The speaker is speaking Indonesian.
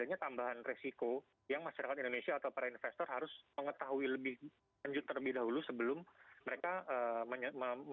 masyarakat indonesia atau para investor harus mengetahui lebih lanjut terlebih dahulu sebelum